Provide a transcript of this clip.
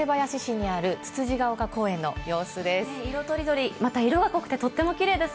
こちら、群馬県館林市にあるつつじが岡公園の様子です。